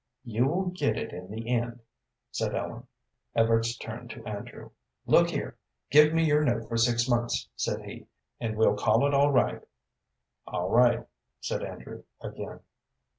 "You will get it in the end," said Ellen. Evarts turned to Andrew. "Look here, give me your note for six months," said he, "and we'll call it all right." "All right," said Andrew, again.